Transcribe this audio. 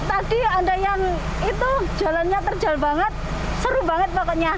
tadi ada yang itu jalannya terjal banget seru banget pokoknya